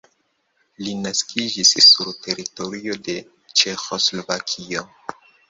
Li naskiĝis sur teritorio de Ĉeĥoslovakio.